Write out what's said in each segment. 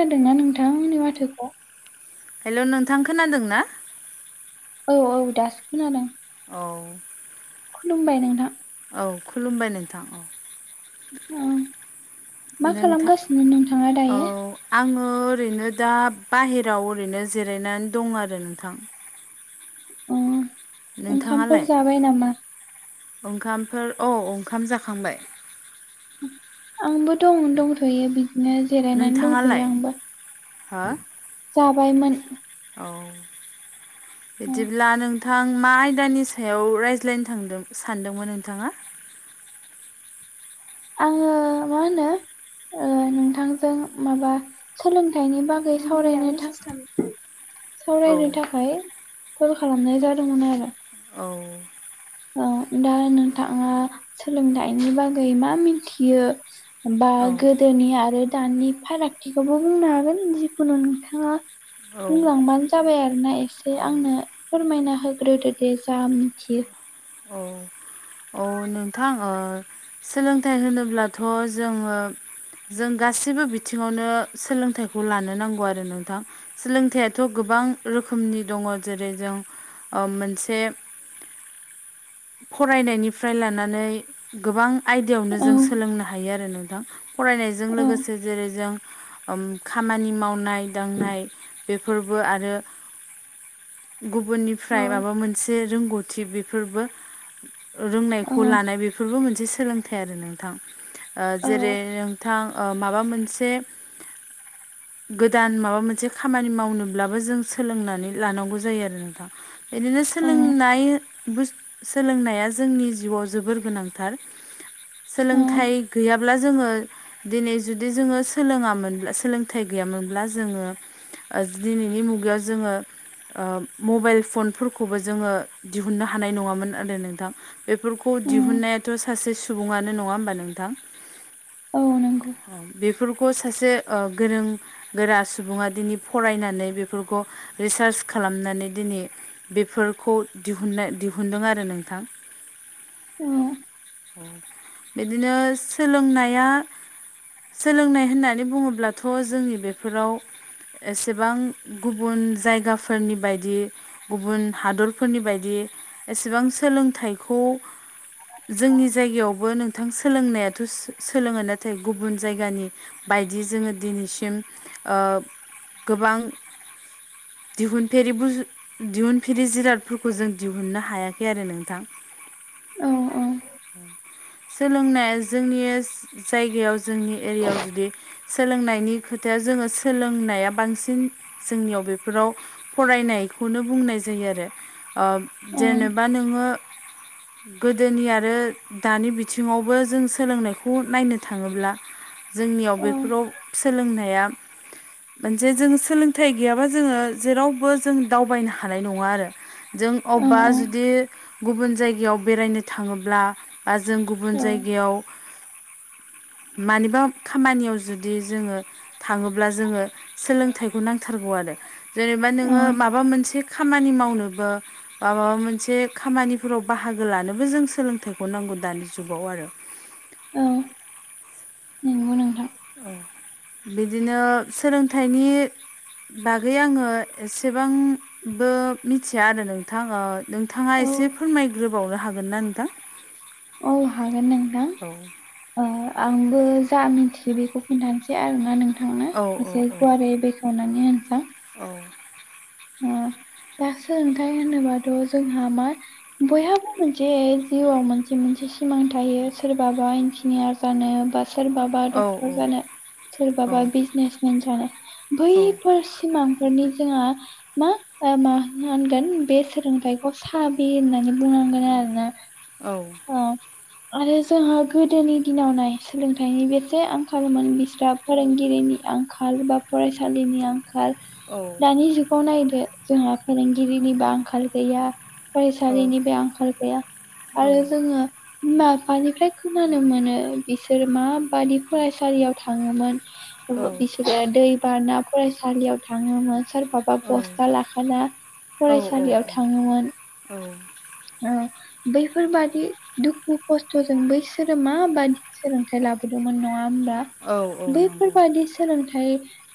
दों ना नोंथांमोननि माथोखौ? हेल' नोंथां खोनादों ना? औ औ दासो खोनादों। औ खुलुमबाय नोंथां औ खुलुमबाय नोंथां औ उम मा नोंथां खालामगासिनो नोंथाङा औ दायो? आङो ओरैनो दा बाहेराव ओरैनो जिरायनानै दं आरो नोंथां। अ ओंखामफोर नोंथाङालाय जाबाय नामा ओंखामफोर औ ओंखाम जाखांबाय? आंबो दं दंथ'यो बिदिनो जेरायनानै दंथ'यो नोंथाङालाय? आंबो। हो जाबायमोन औ ओ, बिदिब्ला नों थां मा आयदानि सायाव रायज्लायनो थांदों सानदोंमोन नोंथाङा? आङो मा होनो ओ नोंथांजों माबा सोलोंथाइनि बागै सावरायनो था औ सावरायनो थाखाय कल खालामनाय जादोंमोन आरो। औ औ दा नोंथाङा सोलोंथाइनि बागै मा मिथियो बा औ गोदोनि आरो दानि फारागथिखौबो बुंनो हागोन जिखुनु नोंथाङा औ बुंलांबानो जाबाय आरोना एसे औ आंनो फोरमायना होग्रोदो दे जा मिथियो। अ अ अ नोंथां सोलोंथाइ होनोब्लाथ' जोङो जों गासैबो बिथिङावनो सोलोंथाइखौ लानो नांगौ आरो नोंथां। सोलोंथाइयाथ' गोबां रोखोमनि दङ जेरै जों मोनसे [inaudible] फरायनायनि फ्राय लानानै गोबां आयदायावनो औ जों सोलोंनो हायो आरो नोंथां। फरायनायजों औ लोगोसे जेरै जों खामानि मावनाय दांनाय बेफोरबो आरो औ गुबुननिफ्राय माबा मोन मोनसे रोंगौथि बेफोरबो औ रोंनायखौ लानाय बेफोरबो मोनसे सोलोंथाइ आरो नोंथां। औ जेरै नोंथां माबा मोनसे गोदान माबा मोनसे खामानि मावनोब्लाबो जों सोलोंनानै लानांगौ जायो आरो नोंथां। बिदिनो सोलोंनाय सोलोंनाया जोंनि जिउआव जोबोर गोनांथार। औ सोलोंथाइ गैया ब्ला जोङो दिनै जुदि जोङो सोलोङामोनब्ला सोलोंथाइ गैयामोनब्ला जोङो दिनैनि मुगायाव जोङो मबाइल फनफोरखौबो जोङो दिहुननो हानाय नङामोन आरो नो थां बेफोरखौ उम दिहुननायाथ' सासे सुबुङनो नङा होमबा नोंथां? औ नंगौ [inaudible] बेफोरखौ सासे गोरों गोरा सुबुङा दिनै फरायनानै बेफोरखौ रिसार्च खालामनानै दिनै बेफोरखौ दिहुननाय दिहुनदों आरो नोंथां। उम। बिदिनो सोलोंनाया सोलोंनाय होननानै बुङोब्लाथ' जोंनि बेफोराव एसेबां गुबुन जायगाफोरनि बायदि गुबुन हादरफोरनि बायदि एसेबां सोलोंथाइखौ [inaudible] जोंनि जायगायावबो नोंथां सोलोंनायाथ' सोलोङो नाथाय गुबुन जायगानि बायदि जोङो दिनैसिम गोबां दिहुनफेरि बुजु दिहुनफेरि जिरादफोरखौ जों दिहुननो हायाखै आरो नोंथां। औ औ। सोलोंनाया जोंनि जायगायाव जोंनि एरियायाव जुदि सोलोंनायनि खोथाया जोङो सोलोंनाया बांसिन जोंनियाव बेफोराव फरायनायखौनो बुंनाय जायो आरो। औ जेनेबा नोङो गोदोनि आरो दानि बिथिङावबो जों सोलोंनायखौ नायनो थाङोब्ला। जोंनियाव बेफोराव सोलोंनाया [inaudible] [unintelligible] मोनसेे जों सोलोंथाइ गैयाबा जोङो जेरावबो जों दावबायनो हानाय नङा आरो। जों औ अबेबा जुदि गुबुन जायगायाव बेरायनो थाङोब्ला बा जों गुबुन औ जायगायाव मानिबा खामानियाव जुदि जोङो थाङोब्ला जोङो सोलोंथाइखौ नांथारगौ आरो। जेनेबा नोङो माबा मोनसे खामानि मावनोबो बा माबा मोनसे खामानिफोराव बाहागो लानोबो जों सोलोंथाइखौ नांगौ दानि जुगाव आरो। औ नंगौ नोंथां। औ। बिदिनो सोलोंथाइनि बागै आङो एसेबांबो मिथिया आरो नों नोंथां। नोंथाङा औ एसे फोरमायग्रोबावनो हागोन ना नोंथां? औ हागोन नोंथां। औ आंबो जा मिथियो बेखौ खिन्थानोसै आरोना नों थांनो औ औ एसे गुवारै बेखेवनानै होनोसां। औ। ओ दा सोलोंथाइ होनोबाथ' जोंहा मा बयहाबो मोनसे जिउआव मोनसे मोनसे सिमां थायो। सोरबाबा इन्जिनियार जानो बा सोरबा बा औ औ डक्टर जानो सोरबाबा बिजनेसमेन जानो औ बैफोर सिमांफोरनि जोंहा मा मा होनगोन बे सोलोंथाइखौ साबि होननानै बुंनांगोन आरोना। औ। ओ आरो जोंहा गोदोनि दिनाव नाय सोलोंथाइनि बेसे आंखालमोन बिस्राब फोरोंगिरिनि आंखाल बा फरायसालिनि आंखा आंखाल। दानि जुगाव नायदो जोंहा फोरोंगिरिनिबो आंखाल गैया औ फरायसालिनि बो आंखाल गैया आरो जोङो बिमा बिफानिफ्राय खोनानो मोनो बिसोर माबादि फरायसालियाव थाङोमोन। औ इसोरो दै बाना फरायसालियाव थाङोमोन सोरबा बा औ नंगौ औ बस्था लाखाना फरायसालियाव थाङोमोन। औ। औ बैफोरबादि दुखु खस्थ'जों बैसो माबादि सोलों लाबोदोंमोन नङा होमबा बैफोरबादि सोलोंथाइ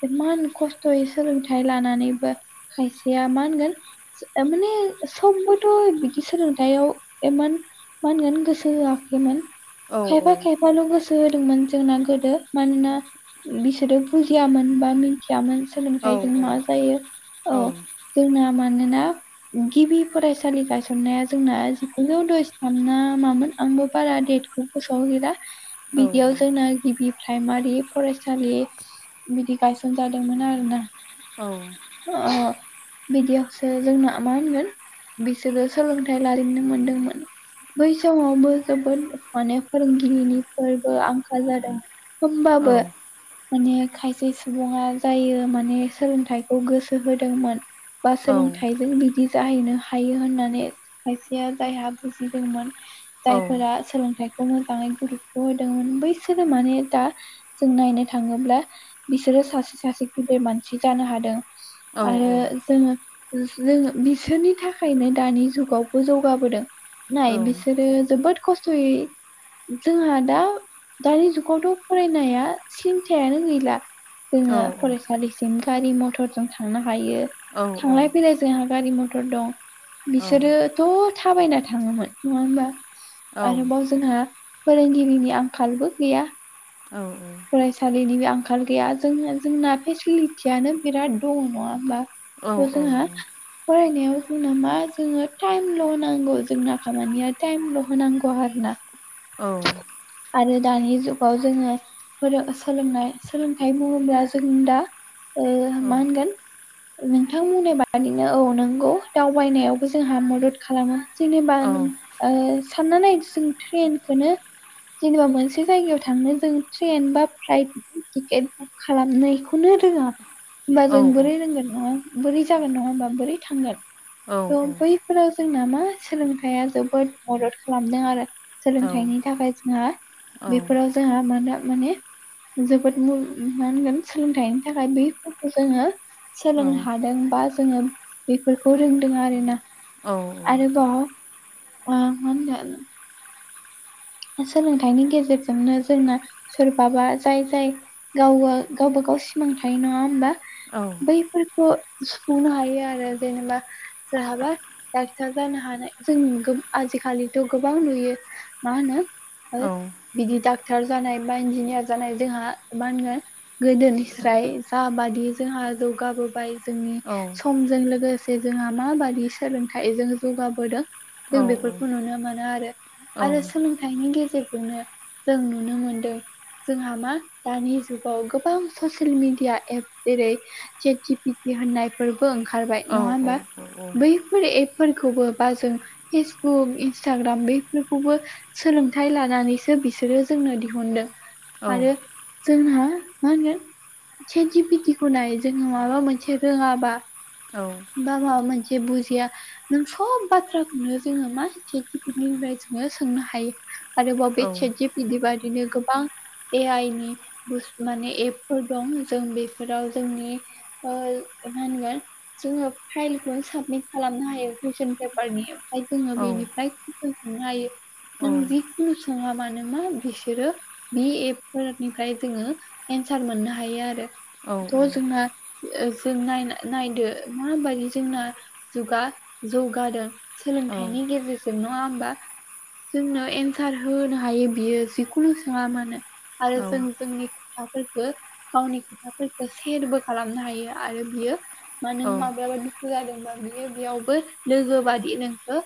इमान खस्थ'यै सोलोंथाइ लानानैबो खायसेया मा होनगोन ओ माने समबोथ' सोलोंथाइयाव इमान मा होनगोन गोसो होआखैमोन खायफा खायफा खायफाल' गोसो होदोंमोन जोंना गोदो। मानोना बिसोरो फुजियामोन बा थियामोन सोलोंथायाइजों मा जायो। औ। जोंना मानोना गिबि फरायसालि गायसन माने जोंना जिगुजौ दजिथाम ना मामोन आंबो बारा देटखौ गोसोआव गैला। औ बिदियाव जोंना गिबि प्राइमारि फरायसालि बिदि गायसनजादोंमोन आरोना। औ। अ बिदियावसो जोंना मा होनगोन बिसोरो सोलोंथाइ लारिनो मोनदोंमोन। बै समावबो जोबोद माने फोरोंगिरिनि फोरबो आंखाल जादों। होमबाबो माने खायसे सुबुङा जायो माने सोलोंथाइखौ गोसो होदोंमोन। बा सोलोंथाइजों बिदि जाहैनो हायो होननानै खायसेया जायहा बुजिदोंमोन जायफोरा सोलोंथाइ मोजाङै गुरुतथ' होदोंमोन बैसोरो माने दा जों नायनो थाङोब्ला बिसोरो सासे सासे गिदिर मानसि जानो हादों। आरो जोङो ओ जोंनो बिसोरनि थाखायनो दानि जुग गावखौ जौगाबोदों नाय बिसोरो जोबोद खस्थ'यै जोंहा दा दानि जुगावथ' फरायनाया सिन्थायानो गैला। जोङो फरायसालिसिम गारि मथरजों थांनो हायो। थांलाय फैलाय जोंहा गारि मथर दं। बिसोरोथ' थाबायना थाङोमोन नङा होमबा आरोबाव जोंहा फोरोंगिरिनि आंखालबो गैया। औ औ। फरायसालिनिबो आंखाल गैया जोंना जोंना फेसिलिटियानो बिराद दङ नङा होमबा। बेखौ जोंहा फरायनायाव जोंना मा जोङो टाइमल' होनांगौ जोंना खामानिया टाइमल' होनांगौ आरोना। औ आरो दानि जुगाव जोङो फोरो ओ सोलोंनाय सोलोंथाइ बुङोब्ला जों दा ओ मा होनगोन नोंथां बुंनाय बादिनो औ नंगौ दावबायनायावबो जोंहा मदद खालामो। जेनेबा नों ओ सानना नाय जों ट्रेनखोनो जेनेबा मोनसे जायगायाव थांनो जों ट्रेन बा फ्लाइटनि टिकेट खालामनायखौनो रोङा। होमबा जों बोरै रोंगोन नङा होम बोरै जागोन नङा होमबा बोरै थांगोन थ' बैफ फोराव जोंना मा सोलोंथाइया जोबोद मदद खालामदों आरो सोलोंथाइनि थाखाय जोंहा बेफोराव जोंहा मानो माने जोबोद मुल उम मा होनगोन सोलोंथाइनि थाखाय बैफोरखौ जोङो सोलोंनो हादों बा जोङो बेफोरखौ रोंदों आरोना औ आरोबाव ओ मा होनदों? ओ सोलोंथाइनि गेजेरजोंनो जोंनो सोरबाबा जाय जाय गावबा गावबागाव सिमां थायो नङा होमबा? औ बैफोरखो सुफुंनो हायो आरो जेनेबा सोरहाबा डाक्टार जानो हानाय जोंनि गोब आजिखालिथ' गोबां नुयो। मा होनो ओ बिदि डाक्टार जानाय बा इन्जिनियार जानाय जोंहा मा होनगोन गोदोनिफ्राय जाबादि जोंहा जौगाबोबाय जोंनि समजों लोगोसे जोंहा माबादि सोलोंथाइजों जौगाबोदों जों बेफोरखौ नुनो मोनो आरो आरो सोलों थाइनि गेजेरजोंनो जों नुनो मोनदों। जोंहा मा दानि जुगाव गोबां ससियेल मिडिया एप जेरै सेट जि फिट दि होननायफोरबो ओंखारबाय नङा होमबा बै बेफोर एपफोरखौबो बा जों फेसबुक इन्सटाग्राम बेफोरखौबो सोलोंथाइ लानानैसो बिसोरो जोंनो दिहुनदों आरो जोंहा मा होनगोन सेटजि फिटिखौ नाय जोङो माबा मोनसे रोङाबा औ बा माबा मोनसे बुजिया नों सब बाथ्राखौनो जोङो मा खे खिटिकनिफ्राय जोङो सोंनो ह थायो औ आरोबाव बे सेट जिटि बादिनो गोबां ए आइ नि बुस माने एपफोर दं जों बेफोराव जोंनि ओल ओ मा होनगोन जोङो फाइलखौनो साबमिट खालामनो हायो कुइसन पेपारनि फाय जोङो औ औ बेनिफ्राय [unintelligible] नुनो हायो औ नों जि खुनु सङा मानो मा बिसोरो बे एप फोरनिफ्राय जोङो एन्सार मोननो हायो आरो थ' जोंना ओ जों नायना नायदो माबायदि जोंना जुगा जौगादों सोलोंथाइनि गेजेरजों नङा होमबा? जोंनो एन्सार होनो हायो बियो जिखुनु सोङा मानो आरो जों जोंनि खोथाफोरखो गावनि खोथाफोरखो सेरबो खालामनो हायो आरो बियो मानों माबायाबाथ' बुजादोंबा बियो बेयावबो लोगो बादि नोंखो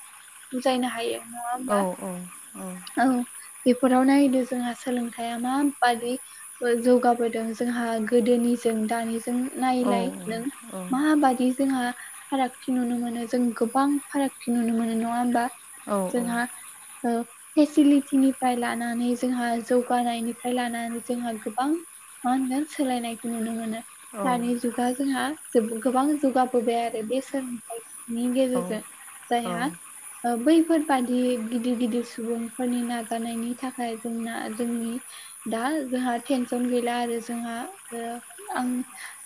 बुजायनो हायो। नङा होमबा औ अ औ औ बेफोराव नायदो जोंहा सोलोंथाइया माबादि ओ जौगाबोदों जोंहा गोदोनिजों दानि दों नायलाय नों माबादि जोंहा फारागथि नुनो मोनो जों गोबां फारागथि नुनो मोनो नङा होमबा? औ जोंहा ओ फेसिलिटिनिफ्राय लानानै जोंहा जौगानायनिफ्राय लानानै जोंहा गोबां मा होनो सोलायनायखौ नुनो मोनो। दानि जुगा जोंहा जोब गोबां जौगाबोबाय आरो बे सोलोंथाइ नि गेजेरजों जायहा ओ बैफोरबादि गिदिर गिदिर सुबुंफोरनि नाजानायनि थाखाय जोंना जोंनि दा जोंहा टेनसन गैला आरो जोंहा ओ आं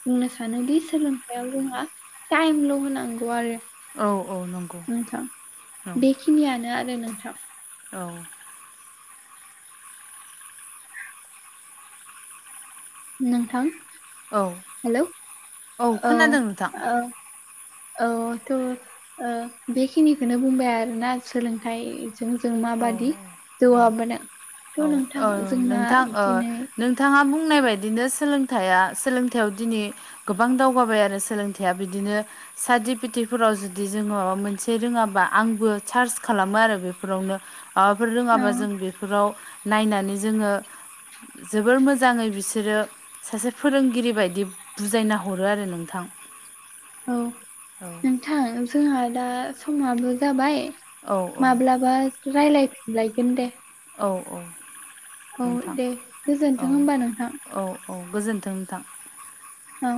बुंनो सानोदि सोलोंथाइयाव जोंहा टाइमल' होनांगौ आरो। औ औ नं नोंथां बेखिनियानो आरो नोंथां। औ नोंथां औ हेलौ औ ओं। खोनादों नोंथां औ थ' ओ बेखिनिखौनो बुंबाय आरोना सोलोंथाइ जों जों औ माबादि औ औ जौगाबोनो औ ओ नोंथां ओ दिनै नोंथाङा बुंनाय बायदिनो सोलोंथाइया सोलोंथाइयाव दिनै गोबां दावगाबाय आरो सोलोंथाइया बिदिनो [unintelligible] जुदि जों माबा मोनसे रोंङाबा आंबो सार्च खालामो आरो बेफोरावनो। माबाफोर औ रोंङाबा जों बेफोराव नायनानै जोंङो जोबो मोजांङै बिसोरो सासे फोरोंगिरि बायदि बुजायना हरो आरो नोंथां। औ नोंथां जोंहा दा समाबो जाबाय। औ माब्लाबा रायलायफिनलायगोन दे। औ औ। औ नोंथां दे औ गोजोन्थों होमबा नोंथां। औ औ गोजोन्थों नोंथां। औ